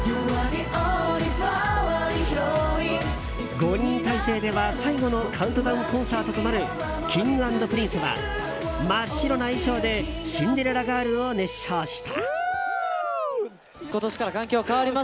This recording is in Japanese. ５人体制では最後のカウントダウンコンサートとなるＫｉｎｇ＆Ｐｒｉｎｃｅは真っ白な衣装で「シンデレラガール」を熱唱した。